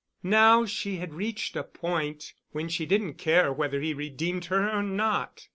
Now she had reached a point when she didn't care whether he redeemed her or not.